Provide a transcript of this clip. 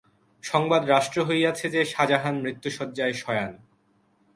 সংবাদ রাষ্ট্র হইয়াছে যে, শাজাহান মৃত্যুশয্যায় শয়ান।